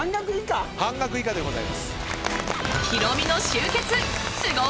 半額以下でございます。